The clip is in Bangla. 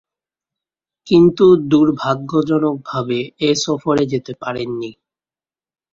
কিন্তু দূর্ভাগ্যজনকভাবে এ সফরে যেতে পারেননি।